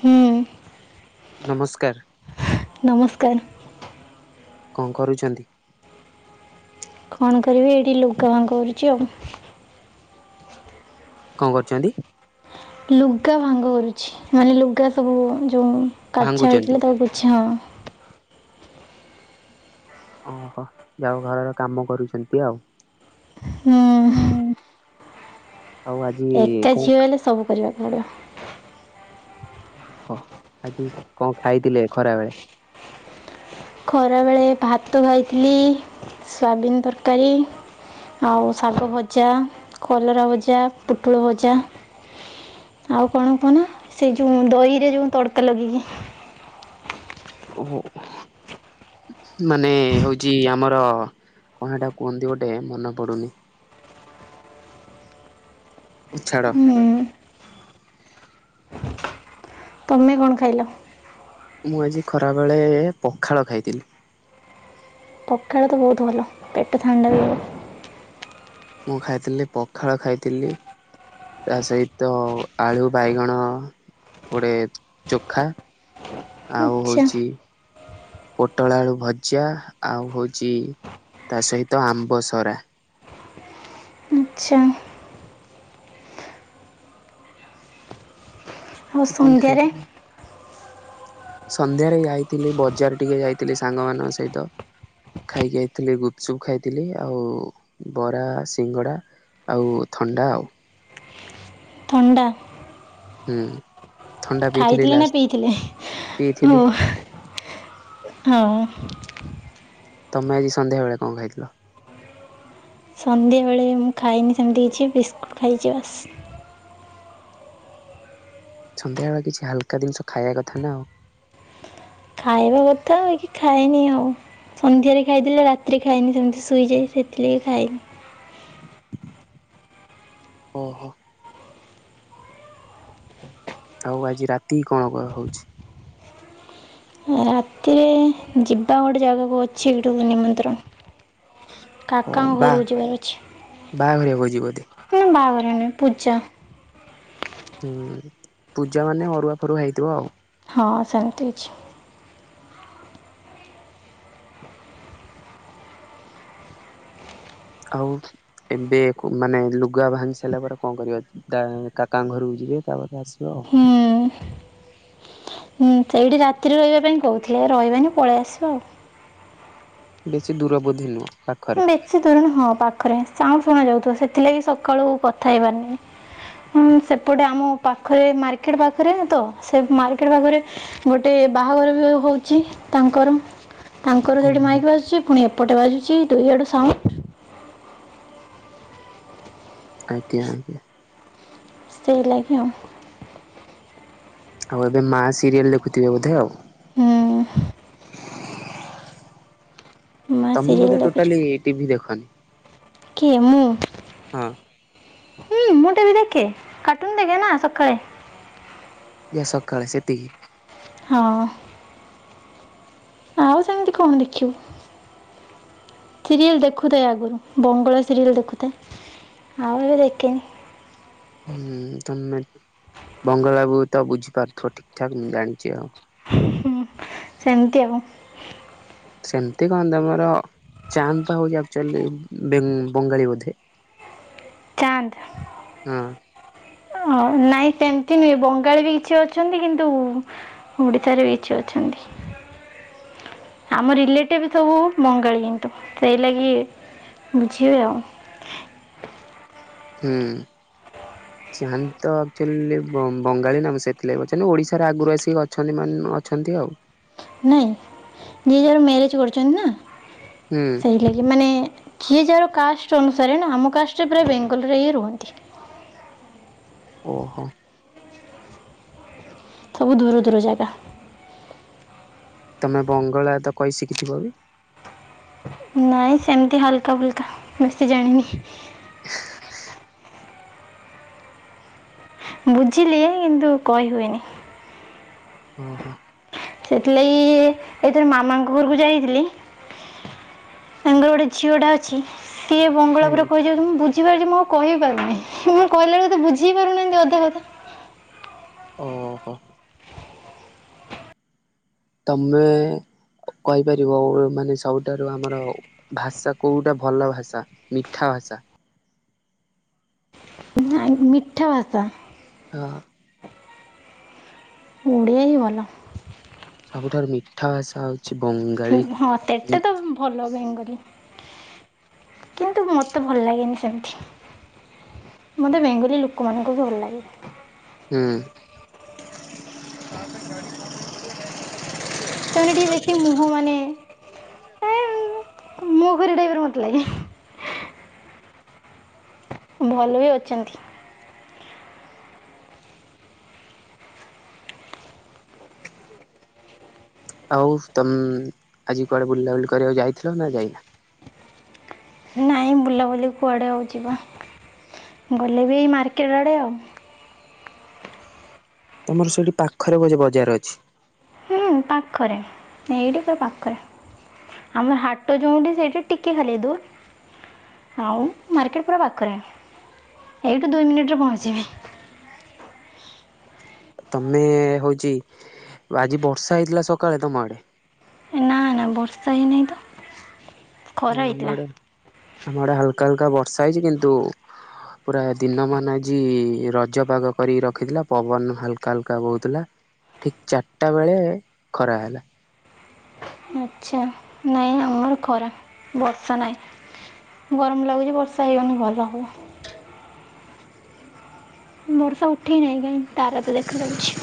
ହୁଁ। ନମସ୍କାର। ନମସ୍କାର। କଣ କରୁଛନ୍ତି? କଣ କରିବି ଏଇଠି ଲୁଗା ଭାଙ୍ଗ କରୁଛି ଆଉ। କଣ କରୁଛନ୍ତି? ଲୁଗା ଭାଙ୍ଗ କରୁଛି ମାନେ ଲୁଗା ସବୁ ଯୋଉ କାଚା ଭାଙ୍ଗୁଛନ୍ତି? ହେଇଥିଲା ତାକୁ କିଛି ହଁବ। ଓହୋ ଯାହାହେଉ ଘରର କାମ କରୁଛନ୍ତି ଆଉ। ହୁଁ ଆଉ ଆଜି ଏକା କଣ ଝିଅ ହେଲେ ସବୁ କରିବାକୁ ପଡିବ। ଓହୋ ଆଜି କଣ ଖାଇଥିଲେ ଖରା ବେଳେ? ଖରାବେଳେ ଭାତ ଖାଇଥିଲି ସୋୟାବିନ ତରକାରୀ। ଆଉ ଶାଗ ଭଜା, କଲରା ଭଜା, ପୁଟୁଳ ଭଜା। ଆଉ କଣ କୁହନା ସେଇ ଯୋଉ ଦହିରେ ଯୋଉ ତଡ଼କା ଲଗେଇକି। ଓ ହୋ। ମାନେ ହଉଛି ଆମର କଣ ହେଟା କୁହନ୍ତି ଗୋଟେ ମନେ ପଡୁନି। ଛାଡ଼। ହୁଁ ତମେ କଣ ଖାଇଲ? ମୁଁ ଆଜି ଖରାବେଳେ ପଖାଳ ଖାଇଥିଲି। ପଖାଳ ତ ବହୁତ ଭଲ ପେଟ ଥଣ୍ଡା ରହିବ। ମୁଁ ଖାଇଥିଲି ପଖାଳ ଖାଇଥିଲି। ତା ସହିତ ଆଳୁ ବାଇଗଣ ଗୋଟେ ଚୋଖା ଆଉ ଆଚ୍ଛା ହଉଛି ପୋଟଳଆଳୁ ଭଜା ଆଉ ହୋଉଛି ତା ସହିତ ଆମ୍ବ ସରା। ଆଚ୍ଛା। ଆଉ ଏତିକି ସନ୍ଧ୍ୟାରେ? ଖାଇଥିଲି। ସନ୍ଧ୍ୟାରେ ଯାଇଥିଲି ବଜାର ଟିକେ ଯାଇଥିଲି ସାଙ୍ଗମାନଙ୍କ ସହିତ। ଖାଇକି ଆଇଥିଲି ଗୁପଚୁପ୍ ଖାଇଥିଲି ଆଉ ବରା, ସିଙ୍ଗଡ଼ା। ଆଉ ଥଣ୍ଡା ଆଉ। ଥଣ୍ଡା। ହୁଁ। ଥଣ୍ଡା ପିଇଥିଲି ଖାଇଥିଲେ ନା ଲାଷ୍ଟ ପିଇଥିଲେ ଓ ପିଇଥିଲି। ହଁ। ତମେ ଆଜି ସନ୍ଧ୍ୟାବେଳେ କଣ ଖାଇଥିଲ? ସନ୍ଧ୍ୟାବେଳେ ମୁଁ ଖାଇନି ସେମିତି କିଛି ବିସ୍କୁଟ ଖାଇଛି ବାସ୍। ସନ୍ଧ୍ୟାବେଳେ କିଛି ହାଲକା ଜିନିଷ ଖାଇବା କଥା ନା ଆଉ। ଖାଇବାକଥା କି ଖାଇନି ଆଉ। ସନ୍ଧ୍ୟାରେ ଖାଇଦେଲେ ରାତିରେ ଖାଏନି ସେମିତି ଶୋଇଯାଏ ସେଥିଲାଗି ଖାଇନି। ଓହୋ। ହଉ ଆଜି ରାତି କଣ କରାହଉଛି? ହଁ। ଯିବା ଗୋଟେ ଜାଗାକୁ ଅଛି ଗୋଟେ ନିମନ୍ତ୍ରଣ। ଓ କାକାଙ୍କ ବା ଘରକୁ ଯିବାର ଅଛି। ବାହାଘରିଆ ଭୋଜି ବୋଧେ ନା ନା ବାହାଘରିଆ ନୁହେଁ ପୂଜା। ହୁଁ ପୂଜା ମାନେ ଅରୁଆ ଫରୁଆ ହେଇଥିବ ଆଉ। ହଁ ସେମତି ଅଛି। ଆଉ ଏବେ ମାନେ ଲୁଗା ଭାଙ୍ଗି ସାରିଲା ପରେ କଣ କରିବା ଅଛି? ତା କାକାଙ୍କ ଘରକୁ ଯିବେ ତାପରେ ଆସିବେ ହୁଁ ଆଉ। ହୁଁ ସେଇଠି ରାତିରେ ରହିବା ପାଇଁ କହୁଥିଲେ, ରହିବାନି ପଳେଇ ଆସିବା ଆଉ। ବେଶୀ ଦୂର ବୋଧେ ନୁହେଁ ପାଖରେ? ସେ ଦୂର ନୁହଁ ପାଖରେ ସାଉଣ୍ଡ ଶୁଣାଯାଉଥିବ ସେଥିଲାଗି ସକାଳୁ କଥା ହେଇପାରୁନି। ହଁ ସେପଟେ ଆମ ପାଖରେ ମାର୍କେଟ ପାଖରେ ତ ସେ ମାର୍କେଟ ପାଖରେ ଗୋଟେ ବାହାଘର ବି ହ ହଉଛି ତାଙ୍କର ତାଙ୍କର ହୁଁ ଯୋଉଠି ହୁଁ। ମାଇକ ବାଜୁଛି ପୁଣି ଏପଟେ ବାଜୁଛି ଦୁଇ ଆଡ଼ୁ ସାଉଁ ଆଜ୍ଞା ଆଜ୍ଞା। ସେଇ ଲାଗି ଆଉ। ଆଉ ଏବେ ମାଆ ସିରିଏଲ ଦେଖୁଥିବେ ବୋଧେ ଆଉ। ହୁଁ ମା ତମେ ସିରିଏଲ ବୋଧେ ଦେଖୁଛୁ ଟୋଟାଲି ଟିଭି ଦେଖନି। କିଏ ମୁଁ? ହଁ। ହୁଁ ମୁଁ ଟିଭି ଦେଖେ କାର୍ଟୁନ ଦେଖେନା ସକାଳେ। ଯା ସକାଳେ ସେତିକି। ହଁ। ଆଉ ସେମିତି କଣ ଦେଖିବୁ? ସିରିଏଲ ଦେଖୁଥାଏ ଆଗରୁ ବଙ୍ଗଳା ସିରିଏଲ ଦେଖୁଥାଏ। ଆଉ ଏବେ ଦେଖେନି। ହୁଁ, ତମେ ବଙ୍ଗଲା ହୁଏତ ବୁଝିପାରୁଥିବ ଠିକ୍ ଠାକ୍ ମୁଁ ଜାଣିଛି ଆଉ। ସେମିତି ଆଉ ସେମିତି କଣ? ତମର ଚାନ୍ଦ ଟା ହଉଛି ଆକୁଚୁଆଲି ବେଙ୍ଗ ବଙ୍ଗାଳୀ ବୋଧେ [inaudible] ଚାନ୍ଦ୍ ହଁ ହଁ ନାଇଁ ତେମତି ନୁହେଁ ବଙ୍ଗାଳୀ ବି କିଛି ଅଛନ୍ତି କିନ୍ତୁ ଓଡ଼ିଆଶାରେ କିଛି ଅଛନ୍ତି। ଆମ ରିଲେଟିଭ ସବୁ ବଙ୍ଗାଳୀ କିନ୍ତୁ ସେଇ ଲାଗି ବୁଝି ହୁଏ ଆଉ ହୁଁ ଚାନ୍ଦ୍ ତ ଆକ୍ଚୁଆଲି ବଙ୍ଗାଳୀ ନା ମୁଁ ସେଥିଲାଗି ପଚାରିଲି, ଓଡ଼ିଶାରେ ଆଗରୁ ଆସିକି ଅଛନ୍ତି ମାନେ ଅଛନ୍ତି ଆଉ ନାଇଁ ଦି ଜଣ ମ୍ୟାରେଜ୍ କରିଛନ୍ତି ନା। ହୁଁ ସେଇଥି ଲାଗି ମାନେ କିଏ ଯାହାର କାଷ୍ଟ ଅନୁସାରେ ନା ଆମ କାଷ୍ଟରେ ପୁରା ବେଙ୍ଗଲରେ ହିଁ ରୁହନ୍ତି। ଓହୋ ସବୁ ଦୂର ଦୂର ଜାଗା। ତମେ ବଙ୍ଗଳା ତ କହି ଶିଖିଥିବ ବି? ନାଇଁ ସେମିତି ହାଲକା ଫୁଲକା ବେଶୀ ଜାଣିନି। [inaudible] ବୁଝିଲି କିନ୍ତୁ କହିହୁଏନି। ହଁ ହଁ। ସେଥିଲାଗି ଏଇଥର ମାମାଙ୍କ ଘରକୁ ଯାଇଥିଲି ତାଙ୍କର ଗୋଟେ ଝିଅ ଟା ଅଛି ସିଏ ହୁଁ। ବଙ୍ଗଳାପୁରା କହିଯାଉଛନ୍ତି ବୁଝ ବୁଝି ପାରୁଛି ମୁଁ ଆଉ କହିପାରୁନାି ମୁଁ କହିଲା ବେଳକୁ ସତେ ବୁଝିପାରୁନାହାଁନ୍ତି ଅଧା କଥା। ଓହୋ ତମେ କହିପାରିବ ଓ ମାନେ ସବୁଠାରୁ ଆମର ଭାଷା କେଉଟା ଭଲ ଭାଷା ମିଠା ଭାଷା। ନାଇଁ ମିଠା ଭାଷା? ହଁ ଅଁ। ଓଡିଆ ହିଁ ଭଲ। ସବୁଠାରୁ ମିଠା ଭାଷା ହ ଉଚି ବଙ୍ଗା ହଁ ସେଟା ତ ଭଲ ବେଙ୍ଗଲୀ। କିନ୍ତୁ ମତେ ଭଲ ଲାଗେନି ସେମତି। ମତେ ବେଙ୍ଗୋଲୀ ଲୋକ ମାନଙ୍କୁ ଭଲ ଲାଗେ। ହୁଁ। ସେମାନେ ଟିକେ ବେଶୀ ମୁହଁ ମାନେ ଏଁ ମୁହଁଖରେଇ ଟାଇପ୍ ର ମତେ ଲାଗେ। [inaudible] [inaudible] ଭଲ ବି ଅଚନ୍ତି। [inaudible] [unintelligible] ଆଉ ତମ୍ ଆଜି କୁଆଡ଼େ ବୁଲାବୁଲି କରିବାକୁ ଯାଇଥିଲ ନା ଯାଇନା? ନାଇଁ ବୁଲାବୁଲି କୁଆଡ଼େ ଆଉ ଯିବା, ଗଲେ ବି ଏଇ ମାର୍କେଟ ଆଡ଼େ ଆଉ। ତମର ସେଇଠି ପାଖରେ ବୋଧେ ବଜାର ଅଛି? ହୁଁ ପାଖରେ ଏଇଠି ପୁରା ପାଖରେ। ଆମର ହାଟ ଯୋଉଁଠି, ସେଇଠି ଟିକେ ଖାଲି ଦୁର୍। ଆଉ ମାର୍କେଟ ପୁରା ପାଖରେ, ଏଇଠୁ ଦୁଇ ମିନିଟରେ ପହଂଚି ଯିବି। ତମେ ହଉଚି, ଆଜି ବର୍ଷା ହେଇଥିଲା ସକାଳେ ତମ ଆଡେ? ନାଁ ନାଁ ବର୍ଷା ହେଇନେଇ ତ। ହୁଁ ଖରା ଆମ ହେଇଥିଲା ଆଡେ ଆମ ଆଡେ ହାଲକା ହାଲକା ବର୍ଷା ହେଇଚି କିନ୍ତୁ ପୁରା ଦିନମାନ ଆଜି ରଜ ପାଗ କରିକି ରଖିଥିଲା ପବନ ହାଲକା ହାଲକା ବୋହୁଥିଲା ଠିକ୍ ଚାରଟା ବେଳେ ଖରା ହେଲା। ଆଚ୍ଛା ନାଇଁ ଆମର ଖରା ବର୍ଷା ନାଇଁ। ଗରମ ଲାଗୁଚି ବର୍ଷା ହେଇଗନେ ଭଲ ହବ। ବର୍ଷା ଉଠେଇନାଇଁ କାଇଁ ତାରା ତ ଦେଖାଯାଉଛି।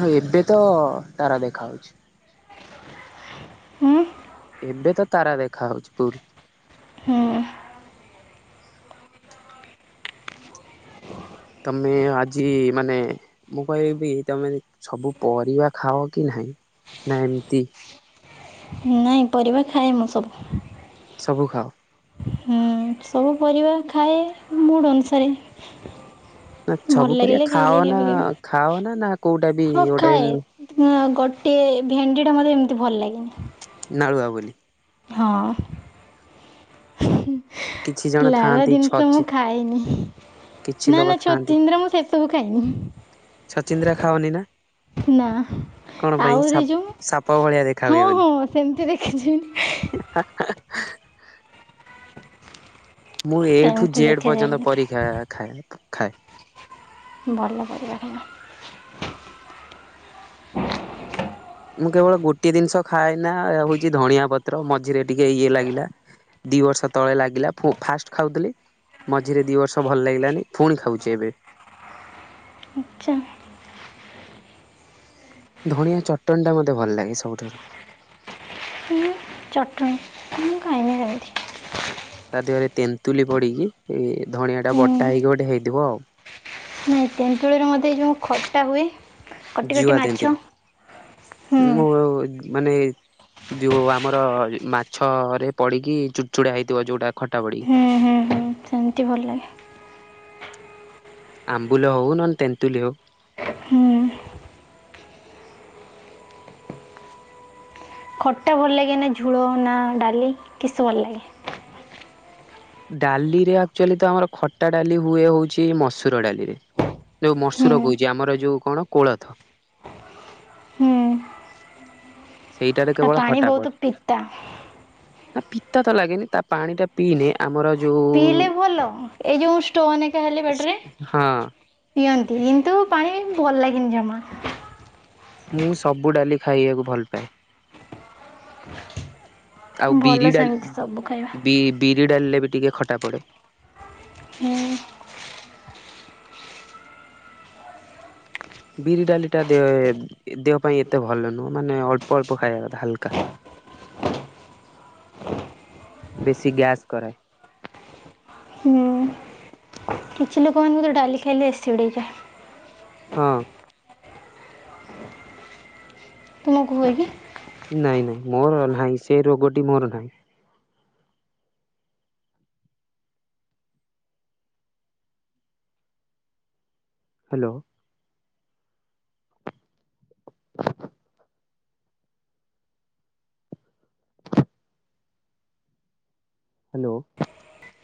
ହଁ ଏବେ ତ ତାରା ଦେଖାଆଉଚି। ହୁଁ ଏବେ ତ ତାରା ଦେଖାଆଉଚି ଫୁଲ୍। ହୁଁ। ତମେ ଆଜି ମାନେ ମୁଁ କହିବି ତମେ ସବୁ ପରିବା ଖାଅ କି ନାହିଁ ନା ଏମତି ନାଇଁ ପରିବା ଖାଏ ମୁଁ ସବୁ। ସବୁ ଖାଅ? ହୁଁ ସବୁ ପରିବା ଖାଏ ମୁଡ୍ ଅନୁସାରେ। ନା ଭଲ ଛବୁ ପରିଆ ଲାଗିଲେ ଖାଇଲେ ଖାଅ ନା କେବେ କେବେ ଖାଅ ନା ନା କୋଉଟା ବି ଗୋଟେନ୍ ହଁ ଗୋଟେ ଭେଣ୍ଡିଟା ମତେ ଏମତି ଭଲ ଲାଗେନି। ନାଳୁଆ ବୋଲି। ହଁ। କିଛି ଜଣ ଲାଳୁଆ ଥାଆନ୍ତି ଦିନିଷ ଛଚି ମୁଁ ଖାଏନି। କିଛି ନା ଲୋକ ନା ଥାଆନ୍ତି ଛଚିନ୍ଦ୍ରା ମୁଁ ସେସବୁ ଖାଏନି। ଛଚିନ୍ଦ୍ରା ଖାଅନି ନା? ନା କଣ ପାଇଁ ଆଉଗୋରେ ସାପ ଯୋଉମ ସାପ ଭଳିଆ ଦେଖା ହଁ ହଁ ସେମତି ଦେଖିଛି। ହେଁ ହାଁ ହାଁ। ମୁଁ ଏ ଠୁ ସେମିତି ଜେଡ୍ ଦେଖେ ପର୍ଯ୍ୟନ୍ତ ସେମିତି ପରୀକ୍ଷା ଖାଏ ଖାଏ। ଭଲ ପରିବାର ଭଲ। ମୁଁ କେବଳ ଗୋଟିଏ ଜିନିଷ ଖାଏନା ହଉଚି ଧଣିଆ ପତ୍ର ମଝିରେ ଟିକେ ଇଏ ଲାଗିଲା। ଦି ବର୍ଷ ତଳେ ଲାଗିଲା ଫୋ ଫାଷ୍ଟ ଖାଉଥିଲି ମଝିରେ ଦିବର୍ଷ ଭଲ ଲାଗିଲାନି, ଫୁଣି ଖାଉଚି ଏବେ। ଆଚ୍ଛା। ଧଣିଆ ଚଟଣିଟା ମତେ ଭଲ ଲାଗେ ସବୁଠାରୁ। ଉଁ। ଚଟଣି। ମୁଁ ଖାଇନି ସେମିତି ତା ଦେହରେ ତେନ୍ତୁଲି ପଡି କି ଏ ଧଣିଆଟା ହୁଁ ବଟା ହେଇକି ଗୋଟେ ହେଇଥିବ ଆଉ। ତେନ୍ତୁଳିର ମତେ ଯୋଉ ଖଟା ହୁଏ କଟି କଟି ଜୁଆ ମାଛ ଦିଅନ୍ତି ହୁଁ ମୁଁ ମାନେ ଯୋଉ ଆମର ମାଛରେ ପଡିକି ଚୁଡ଼ଚୁଡା ହେଇଥିବ, ଯୋଉଟା ଖଟା ପଡିକି। ସେମତି ଭଲ ଲାଗେ। ଆମ୍ବୁଲ ହଉ, ନହେଲେ ତେନ୍ତୁଲି ହଉ। ହୁଁ। ଖଟା ଭଲ ଲାଗେ ନା ଝୋଳ ନା ଡାଲି କିସ ଭଲ ଲାଗେ? ଡାଲିରେ ଆକ୍ଚୋଲି ତ ଆମର ଖଟା ଡାଲି ହୁଏ ହଉଛି ମସୁର ଡାଲିରେ। ଯୋଉ ମସୁର କହୁଚି ହୁଁ ଆମର ଯୋଉ କଣ କୋଳଥ। ହୁଁ ସେଇଟାରେ ତା କେବଳ ପାଣି ଖଟା ବହୁତ ପଡେ। ପିତା ନା ପିତା ତ ଲାଗେନି, ତା ପାଣି ଟା ପିଇନେ ଆମର ଯୋଉ ପିଇଲେ ଭଲ, ଏଇ ଯୋଉ ଷ୍ଟୋନ ଏକା ହେଲେ ପେଟେରେ ହଁ ପିଅନ୍ତି, କିନ୍ତୁ ପାଣି ଭଲ ଲାଗେନି ଜମା। ମୁଁ ସବୁ ଡାଲି ଖାଇଆକୁ ଭଲ ପାଏ। ଆଉ ବିରି ଭଲ ସେମିତି ଡାଲି ସବୁ ଖାଇବା ବି ବିରି ଡାଲିଲେ ବି ଟିକେ ଖଟା ପଡେ। ହୁଁ। ବିରି ଡାଲିଟା ଦେହ ପାଇଁ ଏତେ ଭଲ ନୁହେଁ, ମାନେ ଅଳ୍ପ ଅଳ୍ପ ଖାଇବା କଥା ହାଲକା। ବେଶୀ ଗ୍ୟାସ୍ କରାଏ। ହୁଁ। କିଛି ଲୋକମାନଙ୍କୁ ତ ଡାଲି ଖାଇଲେ ଏସିଡି ହେଇଯାଏ। ହଁ। ତୁମକୁ ହୁଏ କି? ନାଇଁ ନାଇଁ ମୋର ନାହିଁ, ସେ ରୋଗଟି ମୋର ନାହିଁ। ହାଲୋ। ହାଲୋ।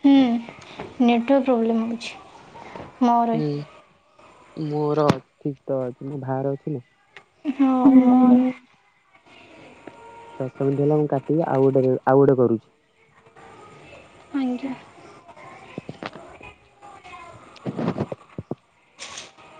ହୁଁ ନେଟୱାର୍କ ପ୍ରୋବ୍ଲେମ୍ ହେଉଛି। ମୋର ହୁଁ ମୋର ଠିକ ତ ଅଛି, ମୋ ଭାରେ ଅଛି ନା। ହଁ ମୋର। ଦଶ ମିନିଟ୍ ହେଲା ମୁଁ କାଟିକି ଆଉ ଗୋଟେ ଆଉ ଗୋଟେ କରୁଛି। ଆଜ୍ଞା।